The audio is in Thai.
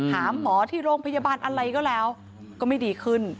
หาหมอที่โรงพยาบาลอะไรก็แล้วก็ไม่ดีขึ้น